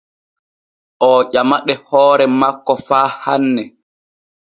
Oo ƴamaɗe hoore makko faa hanne.